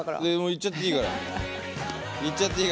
いっちゃっていいから。